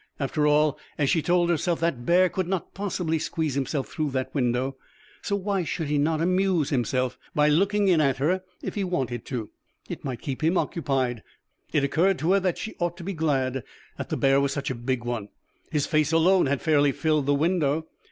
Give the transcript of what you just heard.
After all, as she told herself, that bear could not possibly squeeze himself through the window, so why should he not amuse himself by looking in at her if he wanted to? It might keep him occupied. It occurred to her that she ought to be glad that the bear was such a big one. His face alone had fairly filled the window.